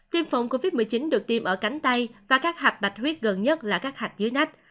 tiêm phòng covid một mươi chín được tiêm ở cánh tay và các hạt bạch huyết gần nhất là các hạt dưới nách